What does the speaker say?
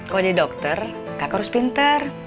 kalo jadi dokter kaka harus pinter